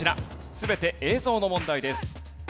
全て映像の問題です。